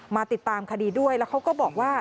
มาติดตามคดีด้วยแล้วเขาก็บอกว่า